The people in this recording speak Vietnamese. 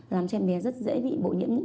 làm cho em bé rất dễ bị bộ nhiễm